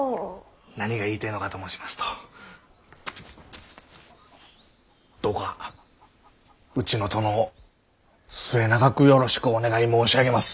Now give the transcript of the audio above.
何が言いてえのかと申しますとどうかうちの殿を末永くよろしくお願い申し上げます。